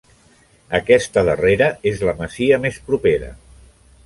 Aquesta darrera és la masia més propera.